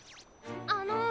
あの。